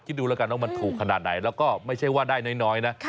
ดูแล้วกันว่ามันถูกขนาดไหนแล้วก็ไม่ใช่ว่าได้น้อยนะ